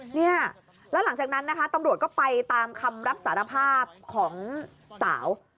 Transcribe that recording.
เนี่ยแล้วหลังจากนั้นนะคะตำรวจก็ไปตามคำรับสารภาพของสาว